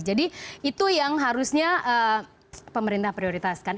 jadi itu yang harusnya pemerintah prioritaskan